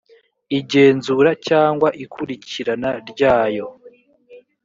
igenzura cyangwa ikurikirana ryayo